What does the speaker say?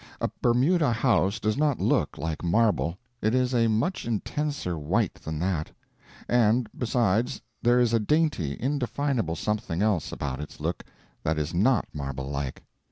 A Bermuda house does not look like marble; it is a much intenser white than that; and, besides, there is a dainty, indefinable something else about its look that is not marble like.